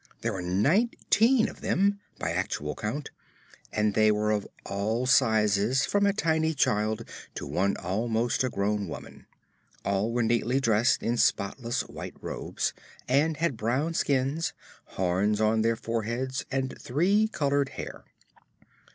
There were nineteen of them, by actual count, and they were of all sizes from a tiny child to one almost a grown woman. All were neatly dressed in spotless white robes and had brown skins, horns on their foreheads and three colored hair.